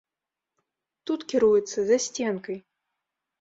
Тут кіруецца, за сценкай!